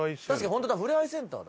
本当だふれあいセンターだ。